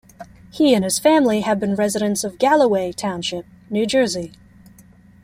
He and his family have been residents of Galloway Township, New Jersey.